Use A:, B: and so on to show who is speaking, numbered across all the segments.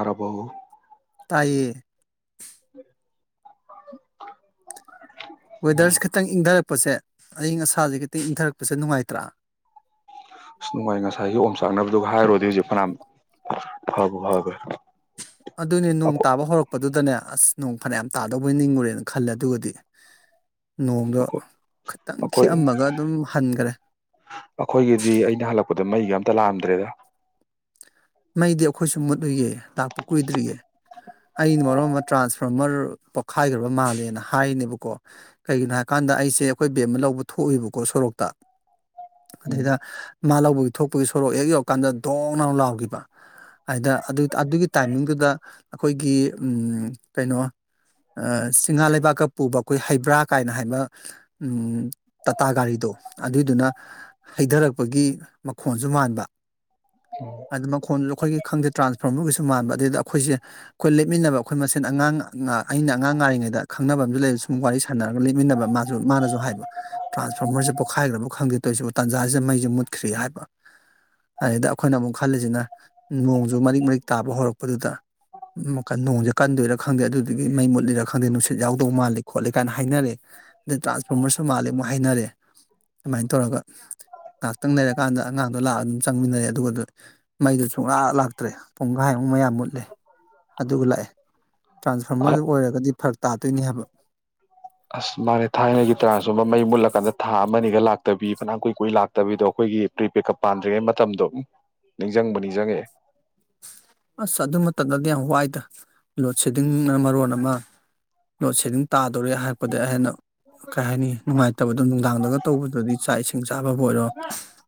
A: ꯑꯔꯔꯕꯎ
B: ꯇꯌꯦ
A: [unintelligible]
B: ꯋꯦꯗꯔꯁ
A: ꯎꯝ
B: ꯈꯈꯤꯇꯪꯗꯔ ꯛꯄꯁꯦ ꯑꯏꯪ ꯑꯁꯥꯁꯦ ꯈꯤꯇ ꯏꯟꯊꯔꯛꯄꯁꯦ ꯅꯨꯡꯉꯥꯏꯇ꯭ꯔꯥ
A: ꯑꯁ ꯅꯨꯡꯉꯥꯏ ꯉꯁꯥꯏ ꯍꯣꯝ ꯆꯥꯛꯅꯕ ꯑꯗꯨꯒ ꯍꯥꯏꯔꯨꯔꯗꯤ ꯍꯧꯖꯤꯛ ꯐꯅꯥꯝꯕ ꯍꯕ
B: ꯑꯗꯨꯅꯦ ꯅꯣꯡ ꯇꯥꯕ ꯍꯧꯔꯛꯄ ꯑꯗꯨꯗꯅꯦ ꯑꯁ ꯅꯣꯡ ꯐꯅ ꯌꯥꯝ ꯇꯥꯗꯧꯕꯩ ꯅꯤꯡꯉꯨꯔꯦꯅ ꯈꯜꯂꯦ ꯑꯗꯨꯒꯗꯤ ꯅꯣꯡꯗ
A: ꯑꯩꯈꯣꯏ
B: ꯈꯤꯇꯪ ꯈꯤꯑꯝꯃꯒ ꯑꯗꯨꯝ ꯍꯟꯈꯔꯦ
A: ꯑ ꯃꯩꯒ ꯑꯝꯇ ꯂꯥꯛꯑꯝꯗ꯭ꯔꯦꯗ
B: ꯃꯩꯗꯤ ꯑꯩꯈꯣꯏꯁꯨ ꯃꯨꯠꯂꯨꯒꯦ ꯂꯥꯛꯄ ꯀꯨꯏꯗ꯭ꯔꯤꯌꯦ ꯑꯩꯅ ꯃꯔꯝ ꯑꯃ ꯇ꯭ꯔꯥꯟꯁꯔ ꯐꯥꯔꯃꯔ ꯄꯣꯛꯈꯥꯏꯈ꯭ꯔꯕ ꯃꯥꯜꯂꯦꯅ ꯍꯥꯏꯅꯦꯕꯀꯣ ꯀꯩꯒꯤꯅꯣ ꯍꯥꯏꯀꯥꯟꯗ ꯑꯩꯁꯦ ꯑꯩꯈꯣꯏ ꯕꯦꯝ ꯑꯃ ꯂꯧꯕ ꯊꯣꯛꯏꯕꯀꯣ ꯁꯣꯔꯣꯛꯇ
A: ꯎꯝ
B: ꯑꯗꯨꯗꯩꯗ ꯃꯥ ꯂꯧꯕꯒꯤ ꯊꯣꯛꯄꯒꯤ ꯁꯣꯔꯣꯛ ꯍꯦꯛ ꯌꯧ ꯀꯥꯟꯗ ꯗꯣꯡ ꯎ ꯂꯥꯎꯈꯤꯕ ꯍꯥꯏꯗ ꯑꯗꯨꯒꯤ ꯇꯥꯏꯃꯤꯡꯗꯨꯗ ꯑꯩꯈꯣꯏꯒꯤ ꯀꯩꯅꯣ ꯆꯤꯡꯍꯥ ꯂꯩꯕꯥꯛꯀ ꯄꯨꯕ ꯑꯩꯈꯣꯏ ꯍꯩꯕ꯭ꯔꯥ ꯀꯥꯏꯅ ꯍꯥꯏꯕ ꯎꯝ ꯇꯥꯇꯥ ꯒꯥꯔꯤꯗꯣ ꯑꯗꯨꯏꯗꯨꯅ ꯍꯩꯊꯔꯛꯄꯒꯤ ꯈꯣꯟꯁꯨ ꯃꯥꯟꯕ
A: ꯎ
B: ꯑꯗꯨ ꯃꯈꯣꯟꯗꯨ ꯑꯩꯈꯣꯏꯒꯤ ꯈꯪꯗꯦ ꯇ꯭ꯔꯥꯟꯁꯐꯣꯔꯃꯔꯒꯤꯁꯨ ꯃꯥꯟꯕ ꯑꯗꯨꯗꯩꯗ ꯑꯩꯈꯣꯏꯁꯦ ꯑꯩꯈꯣꯏ ꯂꯦꯞꯃꯤꯟꯅꯕ ꯑꯩꯈꯣꯏ ꯃꯁꯦꯟ ꯑꯉꯥꯡ ꯑꯩꯅ ꯑꯉꯥꯡ ꯉꯥꯔꯤꯉꯩꯗ ꯈꯪꯅꯕ ꯑꯝꯨ ꯂꯩ ꯁꯨꯝ ꯋꯥꯔꯤ ꯁꯥꯟꯅꯔꯒ ꯂꯦꯞꯃꯤꯟꯅꯕ ꯃꯥꯁꯨ ꯃꯥꯅꯁꯨ ꯍꯥꯏꯕ ꯇ꯭ꯔꯥꯟꯁꯐꯣꯔꯃꯔꯁꯦ ꯄꯣꯛꯈꯥꯏꯈ꯭ꯔꯕ ꯈꯪꯗꯦ ꯇꯣꯏꯁꯤꯕꯨ ꯇꯥꯟꯖꯥꯁꯤꯗ ꯃꯩꯁꯦ ꯃꯨꯠꯈ꯭ꯔꯤ ꯍꯥꯏꯕ ꯑꯗꯨꯗꯩꯗ ꯑꯩꯈꯣꯏꯅ ꯑꯃꯨꯛ ꯈꯜꯂꯤꯁꯤꯅ ꯅꯣꯡꯁꯨ ꯃꯔꯤꯛ ꯃꯔꯤꯛ ꯇꯥꯕ ꯍꯧꯔꯛꯄꯗꯨꯗ ꯅꯣꯡꯁꯦ ꯀꯟꯗꯣꯏꯔꯥ ꯈꯪꯗꯦ ꯑꯗꯨꯗꯨꯗꯒꯤ ꯃꯩ ꯃꯨꯠꯂꯤꯔꯥ ꯈꯪꯗꯦ ꯅꯨꯡꯁꯤꯠ ꯌꯥꯎꯗꯧ ꯃꯥꯜꯂꯤ ꯈꯣꯠꯂꯤ ꯀꯥꯏꯅ ꯍꯥꯏꯅꯔꯦ ꯑꯗꯩ ꯇ꯭ꯔꯥꯟꯁꯐꯣꯔꯃꯔꯁꯨ ꯃꯥꯜꯂꯤ ꯑꯃꯨꯛ ꯍꯥꯏꯅꯔꯦ ꯑꯗꯨꯃꯥꯏꯅ ꯇꯧꯔꯒ ꯉꯥꯏꯍꯥꯛꯇꯪ ꯂꯩꯔꯀꯥꯟꯗ ꯑꯉꯥꯡꯗꯣ ꯂꯥꯛꯑꯒ ꯑꯗꯨꯝ ꯆꯪꯃꯤꯟꯅꯔꯦ ꯑꯗꯨꯒ ꯃꯩꯗꯨ ꯁꯨꯡ ꯉ ꯂꯥꯛꯇ꯭ꯔꯦ ꯄꯨꯡ ꯚꯥꯏ ꯑꯃꯨꯛ ꯃꯌꯥꯝ ꯃꯨꯠꯂꯦ ꯑꯗꯨꯒ ꯂꯥꯛꯑꯦ ꯇ꯭ꯔꯥꯟꯁꯐꯣꯔꯃꯔꯗꯨ ꯑꯣꯏꯔꯒꯗꯤ ꯐꯔꯛ ꯇꯥꯗ
A: ꯑꯁ ꯃꯥꯅꯦ ꯊꯥꯏꯅꯒꯤ ꯇꯔꯥ ꯁꯕ ꯃꯩ ꯃꯨꯜꯂꯛ ꯂ ꯀꯥꯟꯗ ꯊꯥ ꯑꯃꯅꯤꯒ ꯂꯥꯛꯇꯕꯤ ꯐꯅ ꯀꯨꯏ ꯀꯨꯏ ꯂꯥꯛꯇꯕꯤꯗꯣ ꯑꯩꯈꯣꯏꯒꯤ ꯄ꯭ꯔꯤꯄꯦꯗ ꯀꯞ ꯄꯥꯟꯗ꯭ꯔꯤꯉꯩ ꯃꯇꯝꯗꯣ ꯅꯤꯡꯁꯤꯡꯕ ꯅꯤꯡꯁꯤꯡꯉꯛꯑꯦ
B: ꯑꯁ ꯑꯗꯨ ꯃꯇꯝꯗꯗꯤ ꯌꯥꯝ ꯋꯥꯏꯗ ꯂꯣꯗ ꯁꯦꯗꯤꯡꯅ ꯃꯔꯣꯟ ꯑꯃ ꯂꯣꯗ ꯁꯦꯗꯤꯡ ꯇꯥꯗ ꯀ ꯍꯥꯏ ꯅꯨꯡꯉꯥꯏꯇ ꯅꯨꯡ ꯇꯧꯕ ꯆ ꯇꯥꯕꯕꯨ ꯑꯣꯏꯔꯣ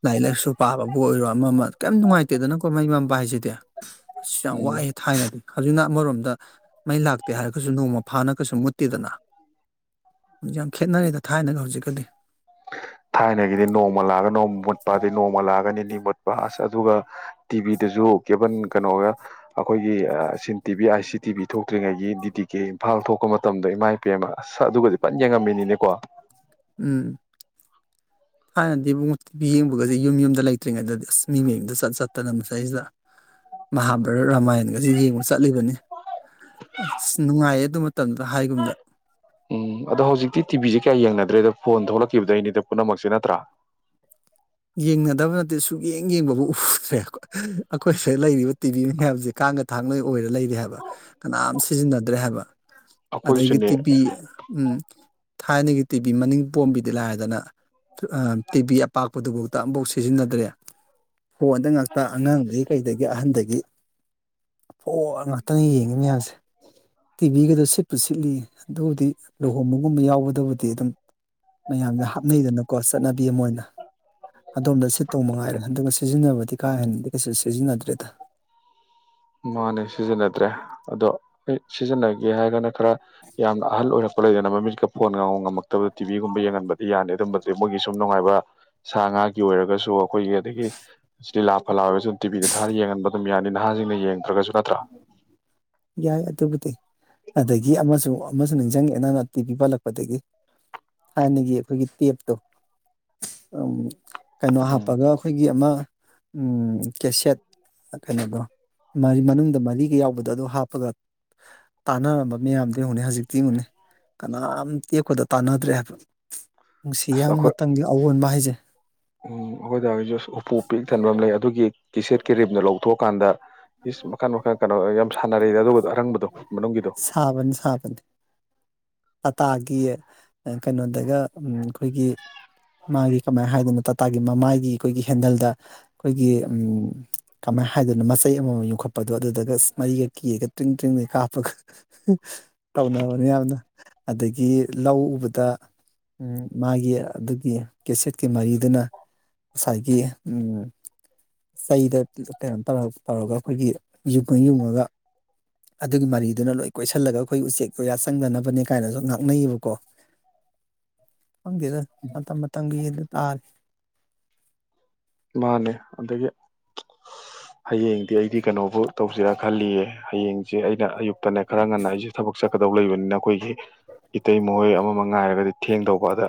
B: ꯂꯥꯏꯔꯤꯛ ꯂꯥꯏꯁꯨ ꯄꯥꯕꯕꯨ ꯑꯣꯏꯔꯣ ꯑꯃ ꯑꯃ ꯀꯩꯝ ꯅꯨꯡꯉꯥꯏꯇꯦꯗꯅꯀꯣꯩ ꯥꯏꯖꯦꯗ ꯑꯁ ꯌꯥꯝ
A: ꯎꯝ
B: ꯋꯥꯏꯦ ꯊꯥꯏꯔꯗꯤ ꯍꯧꯖꯤꯛꯅ ꯑꯃꯔꯣꯝꯗ ꯃꯩ ꯂꯥꯛꯇꯦ ꯍꯥꯏꯔꯒꯁꯨ ꯅꯣꯡꯃ ꯐꯥꯅꯒꯁꯨ ꯃꯨꯠꯇꯦꯗꯅ ꯌꯥꯝ ꯈꯦꯠꯅꯔꯦꯗ ꯊꯥꯏꯅꯒ ꯍꯧꯖꯤꯛꯀꯗꯤ
A: ꯊꯥꯏꯅꯒꯤꯗꯤ ꯅꯣꯡꯃ ꯂꯥꯛꯑꯒ ꯅꯣꯡꯃ ꯃꯨꯠꯄꯥꯗꯤ ꯅꯣꯡꯃ ꯂꯥꯛꯑꯒꯅꯤ ꯃꯨꯠꯄ ꯑꯁ ꯑꯗꯨꯒ ꯇꯤꯚꯤꯗꯁꯨ ꯀꯦꯕꯟ ꯀꯩꯅꯣꯒ ꯑꯩꯈꯣꯏꯒꯤ ꯁꯤꯟ ꯇꯤ ꯚꯤ ꯑꯥꯏ ꯁꯤ ꯇꯤ ꯚꯤ ꯊꯣꯛꯇ꯭ꯔꯤꯉꯩꯒꯤ ꯗꯤꯗꯤ ꯀꯦ ꯏꯝꯐꯥꯜ ꯊꯣꯛꯄ ꯃꯇꯝꯗ ꯏꯃꯥ ꯏꯄꯦꯜ ꯑꯃ ꯑꯁ ꯑꯗꯨꯒꯗꯤ ꯐꯟꯅ ꯌꯦꯡꯉꯝꯃꯤꯅꯤꯅꯦꯀꯣ
B: ꯎꯝ ꯊꯥꯏꯅꯗꯤ ꯏꯕꯨꯡ ꯇꯤꯚꯤ ꯌꯦꯡꯕꯒꯁꯦ ꯌꯨꯝ ꯌꯨꯝꯗ ꯂꯩꯇ꯭ꯔꯤꯉꯩꯗꯗꯤ ꯑꯁ ꯃꯤ ꯃꯌꯨꯝꯗ ꯆꯠ ꯆꯠꯇꯅ ꯃꯁꯗꯩꯁꯤꯗ ꯃꯍꯥꯚꯥꯔꯠ ꯔꯥꯃꯥꯌꯟꯒꯁꯤꯦ ꯌꯦꯡꯕ ꯆꯠꯂꯤꯕꯅꯤ ꯑ ꯅꯨꯡꯉꯥꯏꯌꯦ ꯑꯗꯨ ꯃꯇꯝꯗ ꯍꯥꯏꯒꯨꯝꯗ
A: ꯎꯝ ꯑꯗꯣ ꯍꯧꯖꯤꯛꯇꯤ ꯇꯤꯕꯤꯁꯤ ꯀꯌꯥ ꯌꯦꯡꯅꯗ꯭ꯔꯦꯗꯣ ꯐꯣꯟ ꯊꯣꯛꯂꯛꯈꯤꯕꯗ ꯑꯩꯅꯤꯗ ꯄꯨꯝꯅꯃꯛꯁꯦ ꯅꯠꯇ꯭ꯔꯥ
B: ꯌꯦꯡꯅꯗꯕ ꯅꯠꯇꯦ ꯁꯨꯛꯌꯦꯡ ꯌꯦꯡꯕꯕꯨ ꯎꯗ꯭ꯔꯦ ꯑꯩꯈꯣꯏ ꯁꯤꯗ ꯂꯩꯔꯤꯕ ꯇꯤꯚꯤ ꯃꯌꯥꯝꯁꯦ ꯀꯥꯡꯒ ꯊꯥꯡꯂꯣꯏ ꯑꯣꯏꯔ ꯂꯩ ꯍꯥꯏꯕ ꯀꯅꯥꯝ ꯁꯤꯖꯤꯟꯅꯗ꯭ꯔꯦ ꯍꯥꯏꯕ ꯑꯗꯒꯤ
A: ꯑꯩꯈꯣꯏꯁꯨꯅꯦ
B: ꯇꯤꯕꯤ ꯎꯝ ꯊꯥꯏꯅꯒꯤ ꯇꯤꯚꯤ ꯃꯅꯤꯡ ꯄꯣꯝꯕꯤꯗꯤ ꯂꯥꯏꯗꯅ ꯇꯤꯚꯤ ꯑꯄꯥꯛ ꯄꯗꯨꯐꯥꯎꯗ ꯑꯃꯐꯥꯎ ꯁꯤꯖꯤꯟꯅꯗ꯭ꯔꯦ ꯍꯣꯟꯗ ꯉꯥꯛꯇ ꯑꯉꯥꯡꯗꯨꯗꯒꯤ ꯀꯩꯗ ꯑꯍꯟꯗꯒꯤ ꯐꯣꯛ ꯑꯉ ꯛꯇꯅ ꯌꯦꯡꯉꯤꯅꯦꯌꯥꯝꯁꯦ ꯇꯤꯚꯒꯗ ꯁꯤꯠꯄꯨ ꯁꯤꯠꯂꯤ ꯑꯗꯨꯕꯨꯗꯤ ꯂꯨꯍꯣꯡꯕꯒꯨꯝꯕ ꯌꯥꯎꯕꯗꯕꯨꯗꯤ ꯑꯗꯨꯝ ꯃꯌꯥꯝꯁꯦ ꯍꯥꯞꯅꯩꯗꯅꯀꯣ ꯆꯠꯅꯕꯤ ꯑꯃ ꯑꯣꯏꯅ ꯑꯗꯣꯝꯗ ꯁꯤꯠꯇꯣꯡ ꯃ ꯉꯥꯏꯔꯦ ꯑꯗꯨꯒ ꯁꯤꯖꯤꯟꯅꯕꯗꯤ ꯀꯥ ꯍꯦꯟꯅꯗꯤ ꯀꯩꯁꯨ ꯁꯤꯖꯤꯟꯅꯗ꯭ꯔꯦꯗ
A: ꯃꯥꯅꯦ ꯁꯤꯖꯤꯟꯅꯗ꯭ꯔꯦ ꯑꯗꯣ ꯑꯩ ꯁꯤꯖꯤꯟꯅꯒꯦ ꯍꯥꯏꯔꯒꯅ ꯈꯔ ꯌꯥꯝꯅ ꯑꯍꯜ ꯑꯣꯏꯔꯛꯄ ꯈꯠ ꯂꯩꯗꯅ ꯃꯃꯤꯠꯀ ꯐꯣꯟ ꯉ ꯉꯝꯃꯛꯇꯕꯗ ꯇꯤꯚꯤꯒꯨꯝꯕ ꯌꯦꯡꯍꯟꯕꯗꯤ ꯌꯥꯅꯤ ꯑꯗꯨꯝꯕ ꯃꯣꯏꯒꯤ ꯁꯨꯝ ꯅꯨꯡꯉꯥꯏꯕ ꯁꯥ ꯉꯥꯒꯤ ꯑꯣꯏꯔꯒꯁꯨ ꯑꯩꯈꯣꯏꯒꯤ ꯑꯗꯒꯤ ꯤ ꯂꯥ ꯐꯂꯥꯋꯦ ꯑꯗꯨꯝ ꯇꯤꯕꯤꯗ ꯊꯥ ꯌꯦꯍꯟꯕ ꯑꯗꯨꯝ ꯌꯥꯅꯤ ꯅꯍꯅ ꯭ꯔ
B: ꯌꯥꯏ ꯑꯗꯨꯕꯨꯗꯤ ꯑꯗꯒꯤ ꯑꯃꯁꯨꯡ ꯑꯃꯁꯨ ꯅꯤꯡꯁꯤꯡꯉꯦꯅ ꯑ ꯇꯤ ꯄꯤ ꯄꯜꯂꯛꯄꯗꯒꯤ ꯊꯥꯏꯅꯒꯤ ꯑꯩꯈꯣꯏꯒꯤ ꯇꯦꯞꯇꯣ ꯀꯩꯅꯣ
A: ꯎꯝ
B: ꯍꯥꯞꯄꯒ ꯑꯩꯈꯣꯏꯒꯤ ꯑꯃ ꯎꯝ ꯀꯦꯁꯦꯠ ꯀꯩꯅꯣꯗꯣ ꯃꯅꯨꯡꯗ ꯃꯔꯤꯒ ꯌꯥꯎꯕꯗ ꯑꯗꯨ ꯍꯥꯞꯄꯒ ꯇꯥꯟꯅꯔꯝꯕ ꯃꯌꯥꯝꯗꯣ ꯑꯃꯨꯛꯅꯤ ꯍꯧꯖꯤꯛꯇꯤ ꯑꯃꯨꯛꯅꯤ ꯀꯅꯥꯝꯇꯦꯛꯄꯗ ꯇꯥꯟꯅꯗ꯭ꯔꯦ ꯍꯥꯏꯕ ꯅꯨꯡꯁꯤ
A: ꯑꯁ
B: ꯌꯥꯝꯅ
A: ꯑꯩꯈꯣꯏ
B: ꯃꯇꯝꯒꯤ ꯑꯑꯣꯟꯕ ꯍꯥꯏꯖꯩ [unintelligible] [inaudible]
A: ꯎꯝ ꯑꯩꯈꯣꯏꯗ ꯑꯩꯁꯨ ꯎꯄꯨ ꯄꯤꯛ ꯊꯟꯕ ꯑꯃ ꯂꯩ ꯑꯗꯨꯒꯤ ꯇꯤꯤꯁꯦꯠ ꯀꯦꯔꯤꯦꯝꯅ ꯂꯧꯊꯣꯛꯑꯀꯥꯟꯗ ꯏꯁ ꯃꯈꯜ ꯃꯈꯜ ꯀꯩꯅꯣ ꯌꯥꯝ ꯁꯥꯟꯅꯔꯗ ꯑꯗꯨꯒ ꯑꯔꯪꯕꯗꯣ ꯃꯅꯨꯡꯒꯤꯗꯣ
B: ꯁꯥꯕꯅꯤ ꯁꯥꯕꯅꯤ ꯇꯥꯇꯥꯒꯤ ꯀꯩꯅꯣꯗꯒ ꯑꯩꯈꯣꯏꯒꯤ ꯃꯥꯒꯤ ꯀꯃꯥꯏꯅ ꯍꯥꯏꯗꯣꯏꯅꯣ ꯇꯥꯇꯥꯒꯤ ꯃꯃꯥꯏꯒꯤ ꯑꯩꯈꯣꯏꯒꯤ ꯍꯦꯟꯗꯜꯗ ꯑꯩꯈꯣꯏꯒꯤ ꯀꯃꯥꯏꯅ ꯍꯥꯏꯗꯣꯏꯅꯣ ꯃꯆꯩ ꯑꯃꯃꯝ ꯌꯣꯛꯈꯠꯄꯗꯣ ꯑꯗꯨꯗꯒ ꯃꯔꯤꯒ ꯀꯤꯔꯒ ꯇ꯭ꯔꯤꯡ ꯇ꯭ꯔꯤꯡꯒ ꯀꯥꯞꯄꯒ ꯇꯧꯅ ꯍꯅꯤ ꯌꯥꯝꯅ ꯑꯗꯒꯤ ꯂꯧ ꯎꯕꯗ ꯃꯥꯒꯤ ꯑꯗꯨꯒꯤ ꯀꯦꯁꯦꯠꯀꯤ ꯃꯔꯤꯗꯨꯅ ꯉꯁꯥꯏꯒꯤ ꯆꯩꯗ ꯀꯩꯅꯣ ꯇꯧꯔꯒ ꯑꯩꯈꯣꯏꯒꯤ ꯌꯨꯡꯉ ꯌꯨꯡꯉꯒ ꯑꯗꯨꯒꯤ ꯃꯔꯤꯗꯨꯅ ꯂꯣꯏ ꯀꯣꯏꯁꯜꯂꯒ ꯑꯩꯈꯣꯏ ꯎꯆꯦꯛ ꯀꯣꯌꯥ ꯆꯪꯗꯅꯕꯅꯦ ꯀꯥꯏꯅꯁꯨ ꯉꯥꯡꯅꯩꯌꯦꯕꯀꯣ ꯍꯪꯦꯗ ꯃ ꯃ ꯇꯪꯒꯤꯤ ꯇꯔ
A: ꯃꯥꯅꯦ ꯑꯗꯒꯤ ꯍꯌꯦꯡꯗꯤ ꯑꯩꯗꯤ ꯀꯩꯅꯣꯕꯨ ꯇꯧꯁꯤꯔ ꯈꯜꯂꯤꯌꯦ ꯍꯌꯦꯡꯁꯦ ꯑꯩꯅ ꯑꯌꯨꯛ ꯅꯦ ꯈꯔ ꯉꯟꯅ ꯑꯩꯁꯦ ꯊꯕꯛ ꯆꯠ ꯀꯗꯧ ꯂꯩꯕꯅꯤꯅ ꯑꯩꯈꯣꯏꯁꯤꯦ ꯏꯇꯩ ꯃꯈꯣꯏ ꯑꯃꯃ ꯉꯥꯏꯔꯒꯗꯤ ꯊꯦꯡ ꯇꯧꯕ ꯑꯗ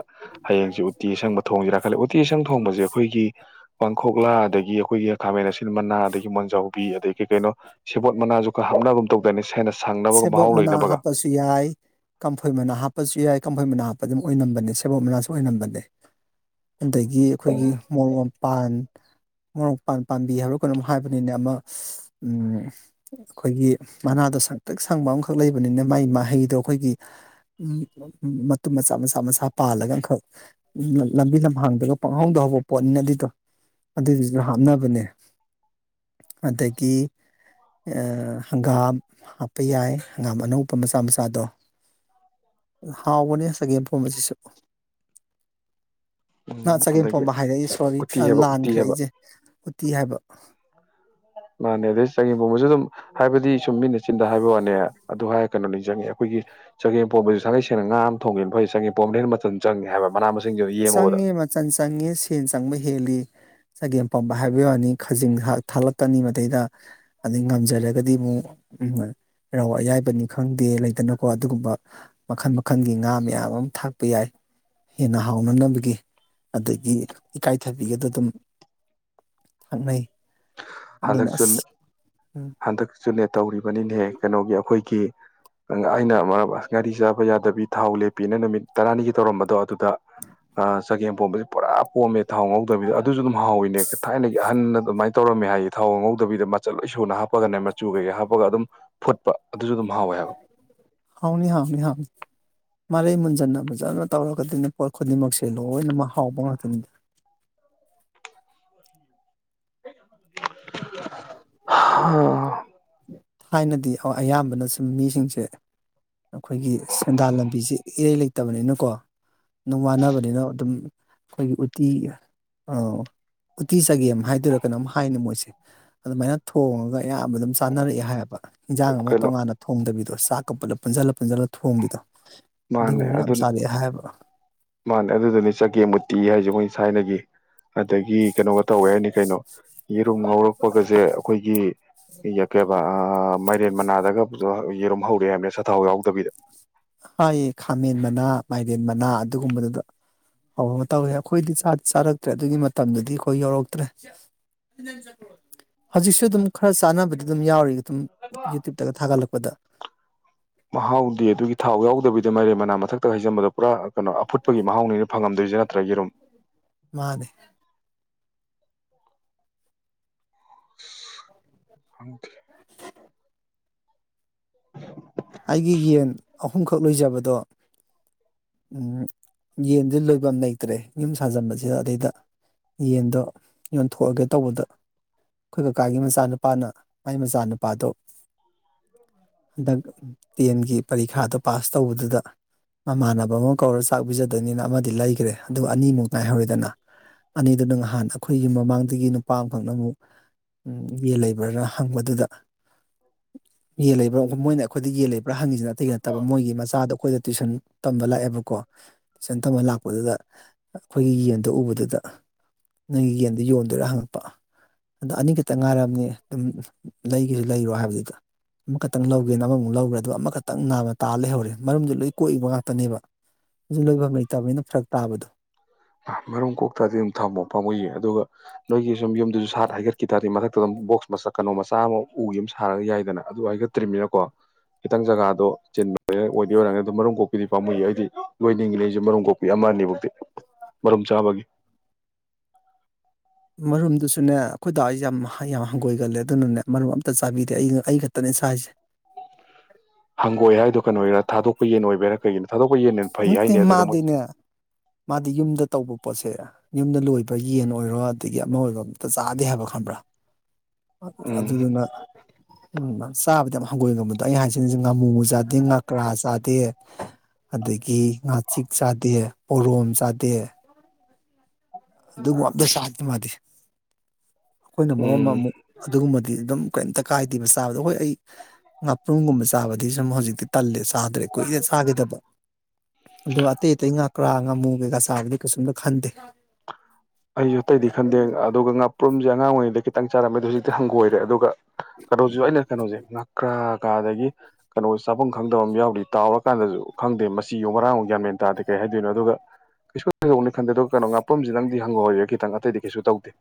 A: ꯍꯌꯦꯡꯁꯤ ꯎꯇꯤ ꯑꯁꯪꯕ ꯊꯣꯡꯁꯤꯦꯔꯥ ꯈꯜꯂꯦ ꯎ ꯇꯦꯁꯪ ꯊꯣꯡꯕꯁꯦ ꯑꯩꯈꯣꯏꯒꯤ ꯄꯥꯡꯈꯣꯛꯂꯥ ꯑꯗꯒꯤ ꯑꯩꯈꯣꯏꯒꯤ ꯈꯥꯃꯦꯟ ꯑꯁꯤ ꯃꯅꯥ ꯑꯗꯒꯤ ꯃꯣꯟꯖꯥꯎꯕꯤ ꯑꯗꯒꯤ ꯀꯩꯅꯣ ꯁꯦꯕꯣꯠ ꯃꯅꯥꯁꯨ ꯍꯥꯞꯅꯕꯒꯨꯝ ꯇꯧꯗꯅꯤ ꯁ ꯍꯥꯏꯅ
B: ꯁꯦꯕꯣꯠ ꯃꯅꯥ ꯍꯥꯞꯄꯁꯨ ꯌꯥꯏ ꯀꯝꯐꯣꯏ ꯃꯅꯥ ꯍꯥꯞꯄꯁꯨ ꯌꯥꯏ ꯀꯝꯐꯩ ꯃꯅꯥ ꯍꯥꯞꯄ ꯑꯗꯨꯝ ꯑꯣꯏꯅꯝꯕꯅꯦ ꯁꯦꯕꯣ ꯃꯅꯥꯁꯨ ꯑꯣꯏꯅꯝꯕꯅꯦ ꯑꯗꯒꯤ ꯑꯩꯈꯣꯏꯒꯤ
A: ꯎꯝ
B: ꯃꯣꯔꯣꯛ ꯃꯄꯥꯟ ꯃꯔꯣꯔꯣꯛ ꯄꯥꯝꯕꯤ ꯍꯥꯏꯕ꯭ꯔꯣ ꯀꯩꯅꯣꯝ ꯍꯥꯏꯕꯅꯤꯅ ꯑꯃ ꯑꯩꯈꯣꯏꯒꯤ ꯃꯅꯥꯗ ꯇꯛ ꯁꯪꯕ ꯑꯃꯈꯛ ꯂꯩꯕꯅꯤꯅ ꯃꯒꯤ ꯃꯍꯩꯗꯣ ꯑꯩꯈꯣꯏꯒꯤ ꯃꯇꯨꯝ ꯃꯆꯥ ꯃꯆꯥ ꯃꯆꯥ ꯄꯥꯜꯂꯒ ꯑꯃꯈꯛ ꯂꯝꯕꯤ ꯂꯝꯍꯥꯡꯗ꯭ꯔꯒ ꯄꯪꯍꯧꯗꯍꯧꯕ ꯄꯣꯠꯅꯤꯅ ꯑꯗꯨꯏꯗꯣ ꯑꯗꯨꯗꯨꯁꯨ ꯍꯥꯞꯅꯕꯅꯦ ꯑꯗꯒꯤ ꯍꯪꯒꯥꯝ ꯇ ꯌꯥꯏ ꯑꯪꯒꯥꯥꯝ ꯑꯅꯧꯕꯧꯕ ꯃꯆꯥ ꯃꯆꯥꯗꯣ ꯍꯥꯎꯕꯅꯦ ꯆꯒꯦꯝ ꯐꯣ ꯑꯁꯤꯁꯨ ꯉ
A: ꯑꯗꯒꯤ
B: ꯆꯒꯦꯝꯄꯣꯝꯕ ꯍꯥꯏꯔ ꯑꯩꯁꯦ ꯁꯣꯔꯤ
A: ꯎꯇꯤ ꯍꯥꯏꯕ ꯎꯇꯤ
B: ꯂꯥꯟꯈ꯭ꯔꯦ
A: ꯍꯥꯏꯕ
B: ꯑꯩꯁꯦ ꯎꯇꯤ ꯍꯥꯏꯕ
A: ꯃꯥꯅꯦ ꯑꯗꯩ ꯆꯒꯦꯝ ꯄꯣꯝꯕꯁꯨ ꯑꯗꯨꯝ ꯍꯥꯏꯕꯗꯤ ꯁꯨꯝ ꯃꯤꯅ ꯆꯤꯟꯗ ꯍꯥꯏꯕ ꯋꯥꯅꯦ ꯑꯗꯨ ꯍꯥꯏꯔ ꯀꯩꯅꯣꯅꯤ ꯆꯪꯉꯦ ꯑꯩꯈꯣꯏꯒꯤ ꯆꯒꯦꯝ ꯄꯣꯝꯕꯁꯨ ꯁꯥꯒꯩ ꯁꯦꯡꯅ ꯉꯥ ꯑꯃ ꯊꯣꯡꯉꯦꯅ ꯐꯣꯏ ꯆꯒꯦꯝ ꯄꯣꯝꯕꯅ ꯍꯦ ꯃꯆꯟ ꯆꯪꯉꯦ ꯍꯥꯏꯕ ꯃꯅꯥ ꯃꯁꯤꯡ
B: ꯆꯪꯉꯦ ꯃꯆꯜ ꯆꯪꯉꯦ ꯁꯦꯟ ꯆꯪꯕ ꯍꯦꯜꯂꯤ ꯆꯒꯦꯝ ꯄꯥꯝꯕ ꯍꯥꯏꯕ ꯌꯥꯅꯤ ꯈꯖꯤꯡ ꯊꯥꯛꯂꯛꯀꯅꯤ ꯃꯗꯩꯗ ꯑꯗꯩ ꯉꯝꯖꯔꯒꯗꯤ ꯑꯃꯨꯛ ꯎꯝ ꯔꯧ ꯑꯌꯥꯏꯕꯅꯤ ꯈꯪꯗꯦ ꯂꯩꯇꯅꯀꯣ ꯑꯗꯨꯒꯨꯝꯕ ꯃꯈꯜ ꯃꯈꯜꯒꯤ ꯉꯥ ꯃꯌꯥꯝ ꯑꯃ ꯊꯥꯛꯄ ꯌꯥꯏ ꯍꯦꯟꯅ ꯍꯥꯎꯅꯅꯕꯒꯤ ꯑꯗꯒꯤ ꯏꯀꯥꯏꯊꯕꯤꯒꯗ ꯑꯗꯨꯝ ꯊꯛꯅꯩ
A: ꯟ
B: ꯎꯝ
A: ꯍꯟꯗꯛ ꯆꯨꯅꯦ ꯇꯧꯔꯤꯕꯅꯤꯅꯦꯍ ꯀꯩꯅꯣꯒꯤ ꯑꯩꯈꯣꯏꯒꯤ ꯑꯩꯅ ꯒꯥꯔꯤ ꯆꯥꯕ ꯌꯥꯗꯕꯤ ꯊꯥꯎ ꯂꯦꯞꯄꯤꯅ ꯅꯨꯃꯤꯠ ꯇꯔꯥꯅꯤꯒꯤ ꯇꯧꯔꯝꯕꯗꯣ ꯑꯗꯨ ꯑ ꯆꯒꯦꯝ ꯄꯣꯝꯕꯕꯁꯤ ꯄꯨꯔꯥ ꯄꯣꯝꯃꯦ ꯊꯥꯎ ꯉꯧꯗꯕꯤꯗ ꯑꯗꯨꯁꯨ ꯑꯗꯨꯝ ꯍꯥꯎꯋꯅꯦ ꯊꯥꯏꯅꯒꯤ ꯑꯍꯟꯅꯗ [unintelligible] ꯇꯧꯔꯝꯃꯦ ꯍꯥꯏꯗꯤ ꯊꯥꯎ ꯑꯉꯧꯗꯕꯤꯗ ꯃꯆꯠ ꯂꯣꯏ ꯁꯨꯅ ꯍꯥꯞꯄꯒꯅꯦ ꯃꯆꯨ ꯀꯩꯀꯩ ꯍꯥꯞꯄꯒ ꯑꯗꯨꯝ ꯐꯨꯠꯄ ꯑꯗꯨꯁꯨ ꯑꯗꯨꯝ ꯍꯥꯎꯋꯦ ꯍꯥꯏꯕ
B: ꯍꯥꯎꯅꯤ ꯍꯥꯎꯅꯤ ꯍꯥꯎꯅꯤ ꯃꯔꯩ ꯃꯨꯟꯖꯟꯅ ꯐꯖꯅ ꯇꯧꯔꯒꯗꯤꯅꯦ ꯄꯣꯠ ꯈꯨꯗꯤꯡꯃꯛꯁꯦ ꯂꯣꯏꯅꯃꯛ ꯍꯥꯎꯕ ꯉꯥꯛꯇꯅꯤꯗ
A: ꯑ
B: ꯊꯥꯏꯅꯗꯤ ꯑꯌꯥꯝꯕꯅ ꯁꯨꯝ ꯃꯤꯁꯤꯡꯁꯦ ꯑꯩꯈꯣꯏꯒꯤ ꯁꯦꯟꯗꯥꯟ ꯂꯝꯕꯤꯁꯦ ꯏꯔꯩ ꯂꯩꯇꯕꯅꯤꯅꯀꯣ ꯑꯗꯨꯅꯨꯡ ꯃꯥꯟꯅꯕꯅꯤꯅ ꯑꯗꯨꯝ ꯑꯩꯈꯣꯏꯒꯤ ꯎꯇꯤ ꯎꯇꯤ ꯆꯒꯦꯝ ꯍꯥꯏꯗꯔꯥ ꯀꯩꯅꯣꯝ ꯍꯥꯏꯅ ꯃꯣꯏꯁꯦ ꯑꯗꯨꯃꯥꯏꯅ ꯊꯣꯡꯉꯒ ꯑꯌꯥꯝꯕ ꯑꯗꯨꯝ ꯇꯥꯅꯔꯛꯑꯦ ꯍꯥꯏꯌꯦꯕ ꯏꯟꯖꯥꯡ ꯑꯃ
A: ꯀꯩꯅꯣ
B: ꯇꯣꯉꯥꯟꯅ ꯊꯣꯡꯗꯕꯤꯗꯣ ꯆꯥꯛ ꯀꯞꯄꯂ ꯄ ꯄꯨꯟꯁꯤꯜꯂ ꯄꯨꯟꯁꯤꯜꯂ ꯊꯣꯡꯕꯤꯗꯣ
A: ꯃꯥꯅꯦ
B: ꯑꯗꯨꯒꯨꯝꯕ
A: ꯑꯗꯨ
B: ꯌꯥꯝ ꯆꯥꯔꯛꯑꯦ ꯍꯥꯏꯕ
A: ꯃꯥꯅꯦ ꯑꯗꯨꯗꯨꯅꯤ ꯆꯠꯀꯦ ꯃꯨꯔꯇꯤ ꯍꯥꯏꯁꯦ ꯃꯣꯏꯅ ꯁꯥꯏꯅꯒꯤ ꯑꯗꯒꯤ ꯀꯩꯅꯣꯒ ꯇꯧꯋꯦ ꯍꯥꯏꯅꯤ ꯀꯩꯅꯣ ꯌꯦꯔꯨꯝ ꯉꯧꯔꯛꯄꯒꯁꯦ ꯑꯩꯈꯣꯏꯒꯤ ꯌꯥ ꯀꯦꯕ ꯃ ꯦꯟ ꯃꯅꯥꯗꯒ ꯌꯦꯔꯨꯝ ꯍꯧꯔꯛꯑꯦ ꯍꯥꯏꯕꯅꯦ ꯁꯊꯥꯎ ꯌꯥꯎꯗꯕꯤꯗ
B: ꯊꯥꯏꯌꯦ ꯈꯥꯃꯦꯟ ꯃꯅꯥ ꯃꯥꯏꯔꯦꯟ ꯃꯅꯥ ꯑꯗꯨꯒꯨꯝꯕꯗꯨꯗ ꯍꯧꯕ ꯑꯃ ꯇꯧꯋꯦ ꯑꯩꯈꯣꯏꯗꯤ ꯆꯥꯔꯛꯇ꯭ꯔꯦ ꯑꯗꯨꯒꯤ ꯃꯇꯝꯗꯨꯗꯤ ꯑꯩꯈꯣꯏ ꯌꯧꯔꯛꯇ꯭ꯔꯦ ꯍꯧꯖꯤꯛꯁꯨ ꯑꯗꯨꯝ ꯈꯔ ꯆꯥꯅꯕꯗꯤ ꯑꯗꯨꯝ ꯌꯥꯎꯔꯤ ꯑꯗꯨꯝ ꯌꯨꯇ꯭ꯌꯨꯕꯇꯒ ꯊꯥꯒꯠꯂꯛꯄꯗ
A: ꯃꯍꯥꯎꯗꯤꯦ ꯑꯗꯨꯒꯤ ꯊꯥꯎ ꯌꯥꯎ ꯇꯧꯕꯕꯤꯗ ꯃꯔꯦ ꯃꯅꯥ ꯃꯊꯛꯇ ꯍꯥꯏꯖꯕꯗ ꯄꯨꯔꯥ ꯀꯩꯅꯣ ꯑꯐꯨꯠꯄꯒꯤ ꯃꯍꯥꯎꯅꯤꯅ ꯐꯪꯉꯝꯗꯣꯏꯁꯦ ꯅꯠꯇ꯭ꯔꯒꯤꯔꯨꯝ
B: ꯃꯥꯅꯦ
A: ꯍ
B: [unintelligible]
A: [unintelligible]
B: ꯑꯩꯒꯤ ꯌꯦꯟ ꯑꯍꯨꯝꯈꯛ ꯂꯣꯏꯖꯕꯗꯣ ꯌꯦꯟꯗꯨ ꯂꯣꯏꯐꯝ ꯂꯩꯇ꯭ꯔꯦ ꯌꯨꯝ ꯁꯥꯖꯤꯟꯕꯁꯤꯗ ꯑꯗꯩꯗ ꯌꯦꯟꯗꯣ ꯌꯣꯟꯊꯣꯛꯑꯒꯦ ꯇꯧꯕꯗ ꯑꯩꯈꯣꯏ ꯀꯀꯥꯒꯤ ꯃꯆꯥꯅꯨꯄꯥꯅ ꯃꯥꯏ ꯃꯆꯥꯅꯨꯄꯥꯗꯣ ꯍꯟꯗꯛ ꯇꯦꯟꯒꯤ ꯄꯔꯤꯈꯥꯗꯣ ꯄꯥꯁ ꯇꯧꯕꯗꯨꯗ ꯃꯃꯥꯟꯅꯕ ꯑꯃ ꯀꯧꯔ ꯆꯥꯛ ꯄꯤꯖꯗꯕꯅꯤꯅ ꯑꯃꯗꯤ ꯂꯩꯈ꯭ꯔꯦ ꯑꯗꯨꯒ ꯑꯅꯤꯃꯨꯛ ꯉꯥꯏꯍꯧꯔꯣꯏꯗꯅ ꯑꯅꯤꯗꯨꯅ ꯉꯍꯥꯟ ꯑꯩꯈꯣꯏꯒꯤ ꯃꯃꯥꯡꯗꯒꯤ ꯅꯨꯄꯥ ꯑꯃꯈꯛꯅ ꯑꯃꯨꯛ ꯌꯦꯟ ꯂꯩꯕ꯭ꯔꯅ ꯍꯪꯕꯗꯨꯗ ꯌꯦꯟ ꯂꯩꯕ꯭ꯔꯥꯨ ꯃꯣꯏꯅ ꯌꯦꯦꯜ ꯂꯩꯕ꯭ꯔꯥ ꯍꯪꯉꯁꯤꯅꯇꯩ ꯅꯠꯇꯕ ꯃꯣꯏꯒꯤ ꯃꯆꯥꯗꯣ ꯑꯩꯈꯣꯏꯗ ꯇ꯭ꯋꯁꯟ ꯂ ꯑꯩ ꯌꯦ ꯎ ꯌꯣꯟꯗꯣꯏꯔꯥ ꯍꯪꯉꯛꯄ ꯑꯗꯣ ꯑꯅꯤꯈꯛꯇ ꯉꯥꯏꯔꯕꯅꯤ ꯑꯗꯨꯝ ꯂꯩꯒꯤꯁꯨ ꯂꯩꯔꯣ ꯍꯥꯏꯕꯗꯨꯗ ꯑꯃꯈꯛꯇꯪ ꯂꯧꯒ ꯑꯃꯃꯨꯛ ꯂꯧꯈ꯭ꯔꯦ ꯑꯗꯨ ꯑꯃꯈꯛꯇꯪ ꯅꯥꯝꯃ ꯇꯥ ꯂꯩꯍꯧꯔꯦ ꯃꯔꯨꯝꯗꯤ ꯂꯣꯏ ꯀꯣꯛꯏꯕ ꯉꯥꯛꯇꯅꯦꯕ ꯑꯗꯨ ꯂꯣꯏꯐꯝ ꯂꯩꯇꯕꯅꯤꯅ ꯐꯔꯛ ꯇꯥꯕꯗꯣ
A: ꯃꯔꯨꯝ ꯀꯣꯛ ꯇꯥꯔꯗꯤ ꯑꯗꯨꯝ ꯊꯝꯃꯣ ꯄꯥꯝꯃꯨꯏꯌꯦ ꯑꯗꯨꯒ ꯅꯣꯏꯒꯤ ꯁꯨꯝ ꯌꯨꯝꯗꯨꯁꯨ ꯍꯥꯏꯒꯠꯈꯤ ꯇꯥꯔꯗꯤ ꯃꯊꯛꯇ ꯕꯣꯛꯁ ꯀꯩꯅꯣ ꯃꯆꯥ ꯑꯃ ꯎꯒꯤ ꯑꯃ ꯁꯥꯔꯒ ꯌꯥꯏꯗꯅ ꯑꯗꯨ ꯍꯥꯏꯒꯠꯇ꯭ꯔꯤꯕꯅꯤꯅꯀꯣ ꯈꯤꯇꯪ ꯖꯒꯥꯗꯣ ꯆꯤꯟꯕ ꯑꯣꯏ ꯑꯣꯏꯔꯅꯤ ꯑꯗꯣ ꯃꯔꯨꯝ ꯀꯣꯛꯄꯤꯗꯤ ꯄꯥꯃꯨꯌꯦ ꯑꯩꯗꯤ ꯂꯣꯏꯅꯤꯡꯉꯤ ꯑꯩꯁꯦ ꯃꯔꯨꯝ ꯀꯣꯛꯄꯤ ꯑꯃ ꯑꯅꯤꯐꯥꯎꯗꯤ ꯃꯔꯨꯝ ꯆꯥꯕꯒꯤ
B: ꯃꯔꯨꯝꯗꯨꯁꯨꯅꯦ ꯑꯩꯈꯣꯏ ꯗꯥ ꯍꯣꯏꯁꯦ ꯌꯥꯝ ꯌꯥꯝ ꯍꯪꯒꯣꯏꯒꯜꯂꯦ ꯑꯗꯨꯅꯅꯦ ꯃꯔꯨꯝ ꯑꯃꯇ ꯆꯥꯕꯤꯗꯦ ꯑꯩ ꯑꯩ ꯈꯛꯇꯅꯦ ꯆꯥꯁꯦ
A: ꯍꯪꯒꯣꯏ ꯍꯥꯏꯗꯣ ꯀꯩꯅꯣꯒꯤꯔꯥ ꯊꯥꯗꯣꯛꯄ ꯌꯦꯟ ꯑꯣꯏꯕꯩꯔꯥ ꯀꯒꯤꯅꯣ ꯊꯥꯗꯣꯛꯄ ꯌꯦꯟꯅ ꯍꯦꯟꯅ ꯐꯩ ꯍꯥꯏꯅꯦ ꯑꯗꯨꯅ ꯃꯣꯏꯁꯦ
B: ꯑꯗꯩ ꯌꯨꯝꯗ ꯇꯧꯕ ꯄꯣꯠꯁꯦ ꯌꯨꯝꯗ ꯂꯣꯏꯕ ꯌꯦꯟ ꯑꯣꯏꯔꯣ ꯑꯗꯒꯤ ꯑꯃ ꯑꯣꯏꯔꯣ ꯑꯃꯇ ꯆꯥꯗꯦ ꯍꯥꯏꯕ ꯈꯪꯕ꯭ꯔꯥ
A: ꯎꯝ
B: ꯑꯗꯨꯗꯨꯅ ꯎꯝ ꯆꯥꯕꯗꯤ ꯌꯥꯝ ꯍꯪꯒꯣꯏꯒꯟꯕꯗꯣ ꯑꯩꯩꯅ ꯍꯥꯏꯁꯤꯁꯦ ꯉꯥꯃꯨ ꯆꯥꯗꯦ ꯉꯀ꯭ꯔꯥ ꯆꯥꯗꯦ ꯑꯗꯒꯤ ꯉꯥꯆꯤꯛ ꯆꯥꯗꯦ ꯄꯣꯔꯣꯝ ꯆꯥꯗꯦ ꯑꯗꯨꯒꯨꯝ ꯑꯃꯇ ꯆꯥꯗꯦ ꯃꯥꯗꯤ ꯑꯩꯈꯣꯏꯅ ꯃꯔꯣꯜ ꯑꯃ
A: ꯎꯝ
B: ꯑꯃꯨꯛ ꯑꯗꯨꯒꯨꯝꯕ ꯑꯗꯨꯝ ꯀꯩꯝꯇ ꯀꯥꯏꯗꯦꯕ ꯆꯥꯕꯗ ꯍꯣꯏ ꯑꯩ ꯉꯥꯄ꯭ꯔꯨꯝꯒꯨꯝꯕ ꯆꯥꯕꯗꯤ ꯁꯨꯝ ꯍꯧꯖꯤꯛꯇꯤ ꯇꯜꯂꯦ ꯆꯥꯗ꯭ꯔꯦ ꯀꯨꯏꯔꯦ ꯆꯥꯈꯤꯗꯕ ꯑꯗꯨꯒ ꯑꯇꯩ ꯑꯇꯩ ꯉꯥꯀ꯭ꯔꯥ ꯉꯥꯃꯨ ꯀꯩꯀꯥ ꯆꯥꯕꯗꯤ ꯀꯩꯁꯨꯝꯇ ꯈꯟꯗꯦ
A: ꯑꯩꯁꯨ ꯑꯇꯩꯗꯤ ꯈꯟꯗꯦ ꯑꯗꯨꯒ ꯉꯥꯄꯔ꯭ꯨꯝ ꯄꯔ꯭ꯨꯝꯁꯦ ꯑꯉꯥꯡ ꯑꯣꯏꯔꯤꯉꯩꯗ ꯈꯤꯇꯪ ꯆꯥꯔꯝꯃꯦ ꯑꯗꯣ ꯍꯧꯖꯤꯛꯇꯤ ꯍꯪꯒꯣꯏꯔꯦ ꯑꯗꯨꯒ ꯀꯩꯅꯣꯁꯤ ꯑꯩꯅ ꯀꯩꯅꯣꯁꯦ ꯉꯀ꯭ꯔꯥ ꯀꯥꯗꯒꯤ ꯀꯩꯅꯣ ꯆꯥꯕꯝ ꯈꯪꯗꯕ ꯑꯃ ꯌꯥꯎ ꯇꯥꯎꯔꯀꯥꯟꯗꯁꯨ ꯈꯪꯗꯦ ꯃꯆꯤꯋꯣ ꯃꯔꯥꯡꯨꯑꯣ ꯒꯌꯥꯟ ꯃꯦꯟ ꯇꯥꯗꯦ ꯀꯩ ꯍꯥꯏꯗꯣꯏꯅꯣ ꯑꯗꯨꯒ ꯀꯩꯁꯨ ꯀꯩꯗꯅꯤ ꯈꯟꯗꯦ ꯀꯩꯅꯣ ꯄꯔꯨꯝꯁꯤꯗꯪꯗꯤ ꯍꯪꯒꯣꯏꯔꯦ ꯈꯤꯇꯪ ꯑꯇꯩꯗꯤ ꯀꯩꯁꯨ ꯇꯧꯗꯦ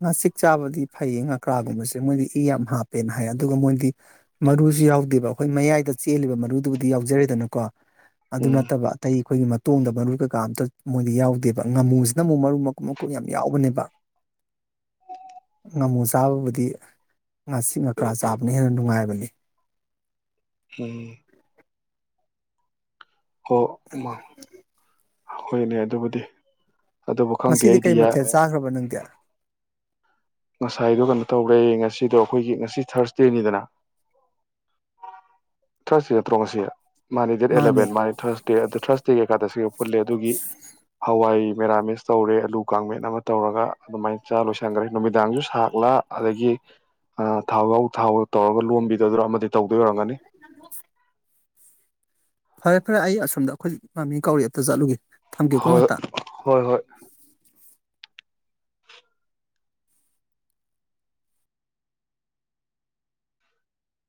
B: ꯉꯥꯆꯤꯛ ꯆꯥꯕꯗꯤ ꯐꯩꯌꯦ ꯉꯥꯀ꯭ꯔꯥꯒꯨꯝꯕꯁꯦ ꯃꯣꯏꯗꯤ ꯏ ꯌꯥꯝ ꯍꯥꯞꯄꯦꯅ ꯍꯥꯏ ꯑꯗꯨꯒ ꯃꯣꯏꯗꯤ ꯃꯔꯨꯁꯨ ꯌꯥꯎꯗꯦꯕ ꯑꯩꯈꯣꯏ ꯃꯌꯥꯏꯗ ꯆꯦꯜꯂꯤꯕ ꯃꯔꯨꯗꯨꯕꯨꯗꯤ ꯌꯥꯎꯖꯔꯦꯗꯅꯀꯣ ꯑꯗꯨ
A: ꯎꯝ
B: ꯅꯠꯇꯕ ꯑꯇꯩ ꯑꯩꯈꯣꯏꯒꯤ ꯃꯇꯣꯡꯗ ꯃꯔꯨ ꯀꯩꯀꯥ ꯑꯃꯝꯇ ꯃꯣꯏꯗꯤ ꯌꯥꯎꯗꯦꯕ ꯉꯥꯃꯨꯁꯤꯅ ꯑꯃꯨꯛ ꯃꯔꯨ ꯃꯀꯨꯞ ꯃꯀꯨꯞ ꯌꯥꯝ ꯌꯥꯎꯕꯅꯦꯕ ꯉꯥꯃꯨ ꯆꯥꯕꯕꯨꯗꯤ ꯉꯥꯆꯤꯛ ꯉꯥꯀ꯭ꯔꯥ ꯆꯥꯕꯅ ꯍꯦꯟꯅ ꯅꯨꯡꯉꯥꯏꯕꯅꯤ
A: ꯎꯝ ꯑꯣ ꯎꯨꯃꯥ ꯑꯥ ꯍꯣꯏꯅꯦ ꯑꯗꯨꯕꯨꯗꯤ ꯑꯗꯨꯕꯨ ꯈꯪꯗꯦ
B: ꯉꯁꯤꯗꯤ
A: ꯑꯩꯗꯤ
B: ꯀꯩ ꯃꯊꯦꯜ ꯆꯥꯒ꯭ꯔꯕ ꯅꯪꯗꯤ
A: ꯉꯁꯥꯏꯗꯣ ꯀꯩꯅꯣ ꯇꯧꯔꯦ ꯉꯁꯤꯗꯣ ꯑꯩꯈꯣꯏꯒꯤ ꯉꯁꯤ ꯊꯥꯔꯁꯗꯦꯅꯤꯗꯅ ꯊꯔꯁꯗꯦ ꯅꯠꯇ꯭ꯔꯣ ꯉꯁꯤ ꯃꯥꯅꯤ ꯗꯦꯠ
B: ꯃꯥꯅꯦ
A: ꯑꯦꯂꯚꯦꯟ ꯃꯥꯅꯤ ꯊꯔꯁꯗꯦ ꯑꯗꯨ ꯊꯥꯔꯁ ꯗꯦ ꯀꯩꯀꯥꯗ ꯁꯤ ꯎꯠꯂꯦ ꯑꯗꯨꯒꯤ ꯍꯋꯥꯏ ꯃꯦꯔꯥꯃꯦꯁ ꯇꯧꯔꯦ ꯑꯂꯨ ꯀꯥꯡꯃꯦꯟ ꯑꯃ ꯇꯧꯔꯒ ꯑꯗꯨꯃꯥꯏꯅ ꯆꯥ ꯂꯣꯏꯁꯤꯟꯈꯔꯦ ꯅꯨꯃꯤꯗꯥꯡꯁꯨ ꯁꯥꯛꯂ ꯑꯗꯒꯤ ꯑ ꯊꯥꯎꯂꯧꯎ ꯊꯥꯎ ꯇꯧꯔꯒ ꯂꯣꯟꯕꯤ ꯇꯗꯔ ꯑꯃꯗꯤ ꯇꯧꯗ ꯑꯣꯏꯔꯝꯒꯅꯤ
B: ꯐꯔꯦ ꯐꯔꯦ ꯑꯩ ꯑꯁꯣꯝꯗ ꯑꯩꯈꯣꯏ ꯃꯃꯤꯅ ꯀꯧꯔꯤ ꯑꯝꯇ ꯆꯠꯂꯨꯒꯦ ꯊꯝꯒꯦꯀꯣ ꯉꯥꯛꯇ
A: ꯍꯣꯏ-ꯍꯣꯏ-ꯍꯣꯏ